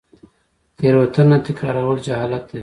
تیروتنه تکرارول جهالت دی